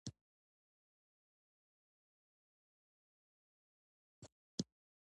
هر ژوندی موجود خواړه خوري